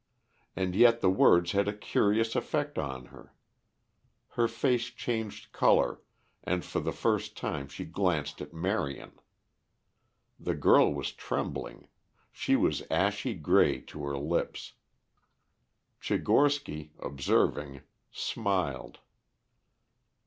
And yet the words had a curious effect on her. Her face changed color and for the first time she glanced at Marion. The girl was trembling; she was ashy grey to her lips. Tchigorsky, observing, smiled.